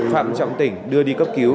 phạm trọng tỉnh đưa đi cấp cứu